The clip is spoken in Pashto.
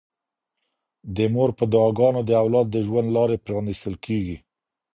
د مور په دعاګانو د اولاد د ژوند لارې پرانیستل کيږي.